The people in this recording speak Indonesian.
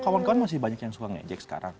kawan kawan masih banyak yang suka ngejek sekarang